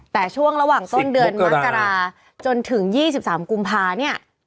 แต่ช่วงระหว่างต้นเดือนมกราจนถึง๒๓กุมภาเนี่ย